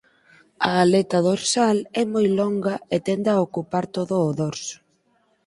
A aleta dorsal é moi longa e tende a ocupar todo o dorso.